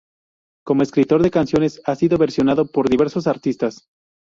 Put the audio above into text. Como escritor de canciones ha sido versionado por diversos artistas.